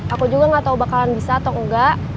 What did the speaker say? aku juga gak tau bakalan bisa atau enggak